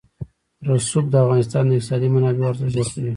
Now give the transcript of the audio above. رسوب د افغانستان د اقتصادي منابعو ارزښت زیاتوي.